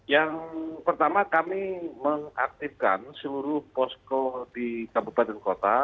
yang pertama kami mengaktifkan seluruh posko di kabupaten kota